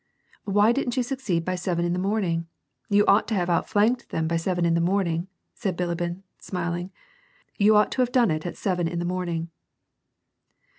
" Why didn't you succeed by seven in the morning ? You ought to have outflanked them by seven in the morning," said Bilibin, smiling, *' you ought to have done it at seven in the morning."